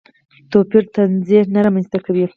توپیر تصنع نه رامنځته کوي.